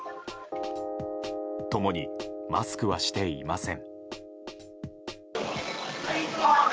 共にマスクはしていません。